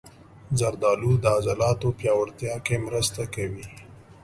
زردالو د عضلاتو پیاوړتیا کې مرسته کوي.